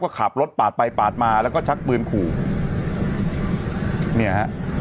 ก็ขับรถปาดไปปาดมาแล้วก็ชักปืนขู่เนี่ยฮะ